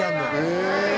「へえ！」